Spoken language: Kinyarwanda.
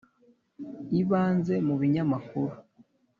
ibanze mu binyamakuru.